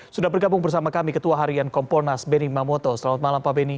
sudah bergabung bersama kami ketua harian komponas benny mamoto selamat malam pak beni